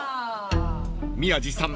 ［宮治さん